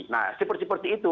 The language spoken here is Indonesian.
nah seperti itu